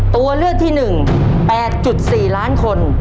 ตัวเลือกที่๑๘๔ล้านคน